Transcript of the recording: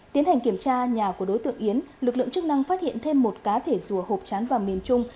tiến hành kiểm tra nhà của đối tượng yến lực lượng chức năng phát hiện thêm một cá thể rùa hộp trán vàng miền trung